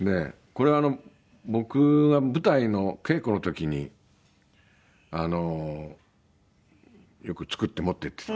これは僕が舞台の稽古の時によく作って持っていってた。